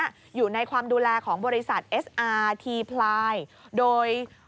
อยู่ในความดูแลของบริษัทเอสอาร์ทีพลายโดย